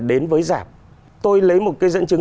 đến với giảm tôi lấy một cái dẫn chứng